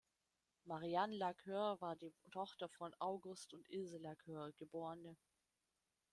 Marianne Laqueur war die Tochter von August und Ilse Laqueur, geb.